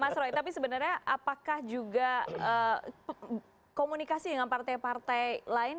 mas roy tapi sebenarnya apakah juga komunikasi dengan partai partai lain